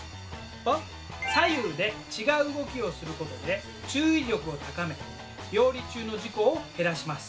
左右で違う動きをすることで注意力を高め料理中の事故を減らします。